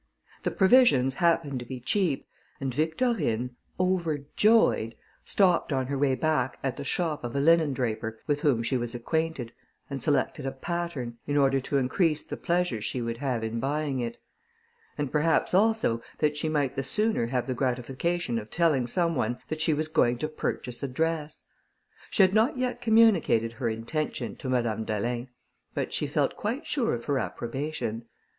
The provisions happened to be cheap, and Victorine, overjoyed, stopped on her way back at the shop of a linendraper with whom she was acquainted, and selected a pattern, in order to increase the pleasure she would have in buying it; and perhaps, also, that she might the sooner have the gratification of telling some one that she was going to purchase a dress. She had not yet communicated her intention to Madame d'Alin, but she felt quite sure of her approbation.